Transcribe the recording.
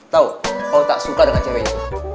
tau kau tak suka dengan cewek itu